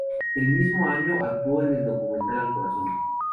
El mismo año actuó en el documental "Al corazón".